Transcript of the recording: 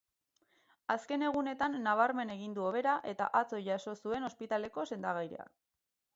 Azken egunetan nabarmen egin du hobera eta atzo jaso zuen ospitaleko sendagiria.